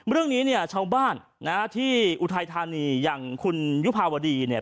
เรื่องนี้เนี่ยชาวบ้านนะฮะที่อุทัยธานีอย่างคุณยุภาวดีเนี่ย